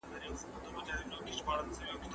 شکرباسي په قانع وي او خندیږي